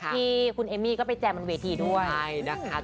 ที่คุณเอมมี่ก็ไปแจมบนเวทีด้วยนะคะ